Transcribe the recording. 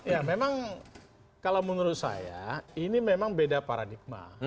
ya memang kalau menurut saya ini memang beda paradigma